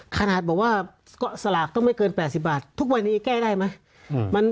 ขนาดบอกว่าสลากต้องไม่เกิน๘๐บาททุกวันนี้แก้ได้ไหม